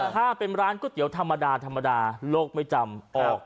ถ้าเป็นร้านก๋วยเตี๋ยวธรรมดาธรรมดาโลกไม่จำออก